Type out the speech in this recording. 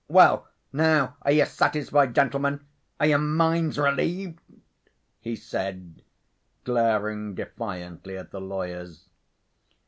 Well, now are you satisfied, gentlemen? Are your minds relieved?" he said, glaring defiantly at the lawyers.